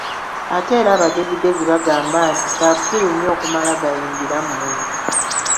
Ate era abagezigezi bagamba nti, kya busiriu nnyo okumala gayingira mu nju.